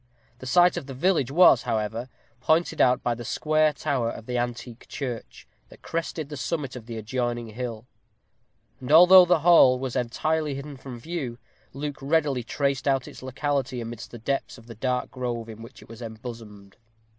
The site of the village was, however, pointed out by the square tower of the antique church, that crested the summit of the adjoining hill; and although the hall was entirely hidden from view, Luke readily traced out its locality amidst the depths of the dark grove in which it was embosomed.